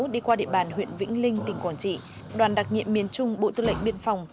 đi qua địa bàn huyện vĩnh linh tỉnh quảng trị đoàn đặc nhiệm miền trung bộ tư lệnh biên phòng